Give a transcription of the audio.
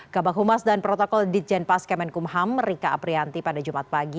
kabak humas dan protokol ditjen pas kemenkumham rika aprianti pada jumat pagi